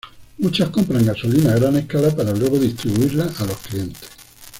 Muchas compran gasolina a gran escala para luego distribuirla a los clientes.